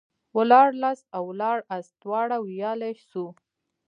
ولاړلاست او ولاړاست دواړه ويلاى سو.